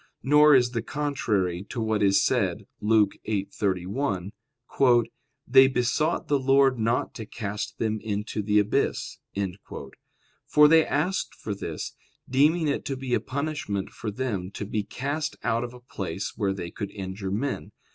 Nor is this contrary to what is said (Luke 8:31), "They besought the Lord not to cast them into the abyss"; for they asked for this, deeming it to be a punishment for them to be cast out of a place where they could injure men.